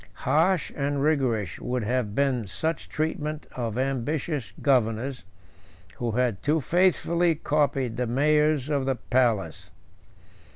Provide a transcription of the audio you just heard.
Harsh and rigorous would have been such treatment of ambitious governors, who had too faithfully copied the mayors of the palace.